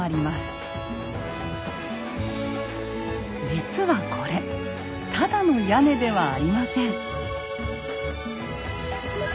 実はこれただの屋根ではありません。